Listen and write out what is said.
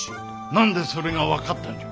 何でそれが分かったんじゃ？